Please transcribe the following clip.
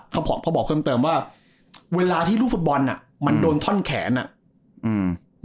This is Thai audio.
เขาบอกเขาบอกเพิ่มเติมว่าเวลาที่ลูกฟุตบอลอ่ะมันโดนท่อนแขนอ่ะอืม